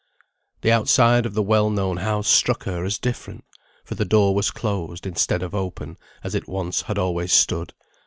The outside of the well known house struck her as different; for the door was closed, instead of open, as it once had always stood.